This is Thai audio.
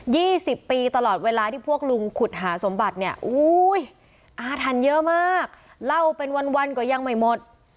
ี่สิบปีตลอดเวลาที่พวกลุงขุดหาสมบัติเนี่ยอุ้ยอาถรรพ์เยอะมากเล่าเป็นวันวันก็ยังไม่หมด